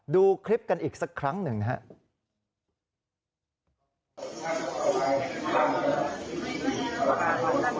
ดูคลิปกันอีกสักครั้งหนึ่งนะครับ